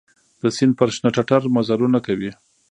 د سیند پر شنه ټټر مزلونه کوي